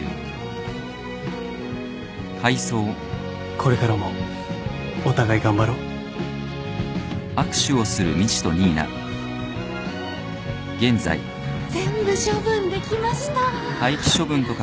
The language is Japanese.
これからもお互い頑張ろう全部処分できました。